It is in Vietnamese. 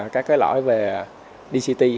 các lõi về dct